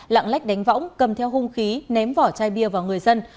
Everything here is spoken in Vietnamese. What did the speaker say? lạng lách đánh võng cầm theo hung khí ném vỏ chai bia vào người dân